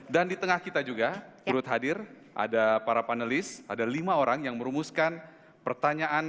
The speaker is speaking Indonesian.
dan di tengah kita juga turut hadir ada para panelis ada lima orang yang merumuskan pertanyaan